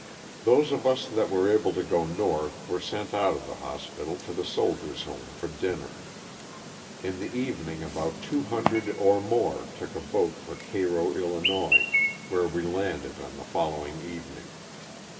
Those of us that were able to go North were sent out of the hospital to the Soldier's home for dinner. In the evening about two hundred or more took a boat for Cairo, 111., where we landed on the following evening.